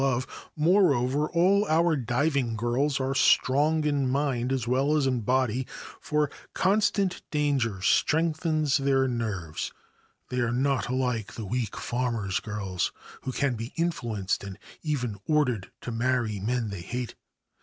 Moreover, all our diving girls are strong in mind as well as in body, for constant danger strengthens their nerves : they are not like the weak 140 The Diving Woman of Oiso Bay farmers' girls, who can be influenced and even ordered to marry men they hate.